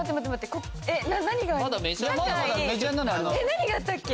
何があったっけ？